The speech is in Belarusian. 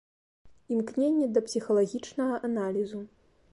Імкненне да псіхалагічнага аналізу.